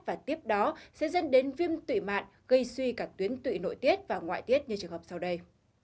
và tiếp đó sẽ dẫn đến viêm tủy mạng gây suy cả tuyến tụy nội tiết và ngoại tiết như trường hợp sau đây